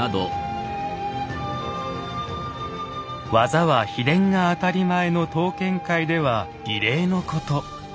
技は秘伝が当たり前の刀剣界では異例のこと。